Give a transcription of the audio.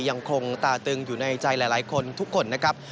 ยังคงตาตึงอยู่ในใจหลายคนทุกคนนะครับ